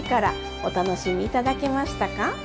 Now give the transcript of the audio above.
お楽しみ頂けましたか？